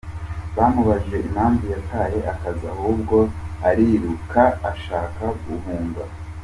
Bamubajije impamvu yataye akazi ahubwo ariruka ashaka guhunga.